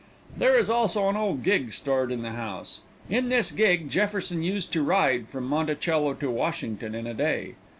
There is also an old gig stored in the house. In this gig Jefferson used to ride from Monticello to Washington in a day.